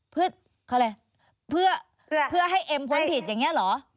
เพื่อเขาอะไรเพื่อให้เอ็มพ้นผิดอย่างนี้เหรอ